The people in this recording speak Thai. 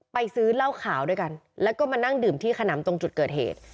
ซื้อเหล้าขาวด้วยกันแล้วก็มานั่งดื่มที่ขนำตรงจุดเกิดเหตุ